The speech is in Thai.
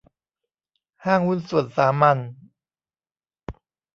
ห้างหุ้นส่วนสามัญ